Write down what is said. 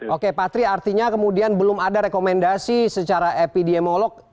oke patri artinya kemudian belum ada rekomendasi secara epidemiolog